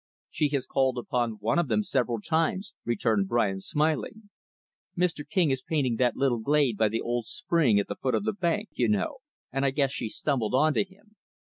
"She has called upon one of them several times," returned Brian, smiling. "Mr. King is painting that little glade by the old spring at the foot of the bank, you know, and I guess she stumbled onto him.